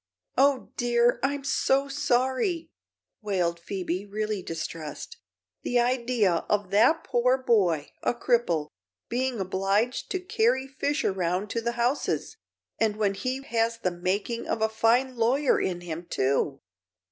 "Oh, dear; I'm so sorry," wailed Phoebe, really distressed. "The idea of that poor boy a cripple being obliged to carry fish around to the houses; and when he has the making of a fine lawyer in him, too!"